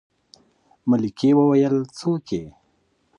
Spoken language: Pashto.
ملکې وويلې څوک يې.